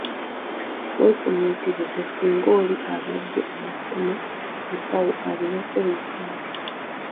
Weefumiitirizeemu singa oli abadde asoma busawo, alina kweyisa atya?